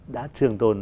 đã trường tồn